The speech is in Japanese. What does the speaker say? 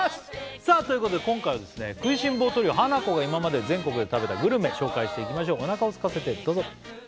さあということで今回はですね食いしん坊トリオハナコが今まで全国で食べたグルメ紹介していきましょうお腹をすかせてどうぞ！